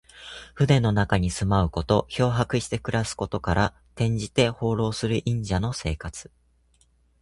船の中に住まうこと。漂泊して暮らすことから、転じて、放浪する隠者の生活。